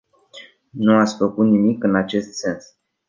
Nu ați făcut nimic în acest sens.